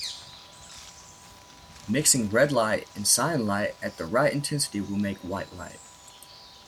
Mixing red light and cyan light at the right intensity will make white light.